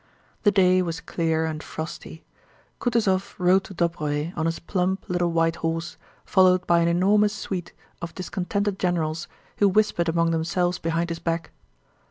The day was clear and frosty. Kutúzov rode to Dóbroe on his plump little white horse, followed by an enormous suite of discontented generals who whispered among themselves behind his back.